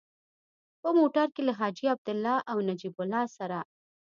په موټر کې له حاجي عبدالله او نجیب الله سره.